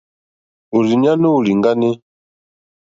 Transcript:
Òrzìɲɛ́ nóò lìŋɡáné.